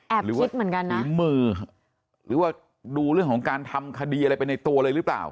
คิดเหมือนกันนะมือหรือว่าดูเรื่องของการทำคดีอะไรไปในตัวเลยหรือเปล่า